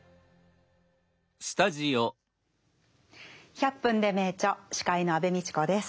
「１００分ｄｅ名著」司会の安部みちこです。